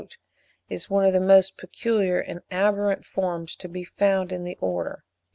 Mivart remarks, "is one of the most peculiar and aberrant forms to be found in the Order." (13.